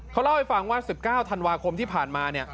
เขาเล่าให้ฟังว่า๑๙ธันวาคมที่ผ่านมาเนี่ย